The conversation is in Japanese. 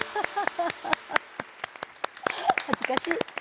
恥ずかしい。